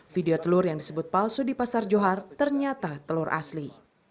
video telur yang disebut palsu di pasar johar ternyata telur asli